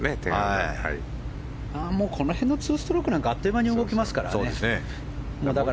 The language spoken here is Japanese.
これでスピースとこの辺の２ストロークなんてあっという間に動きますからね。